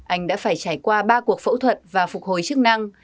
anh đã phải trải qua ba cuộc phẫu thuật và phục hồi chức năng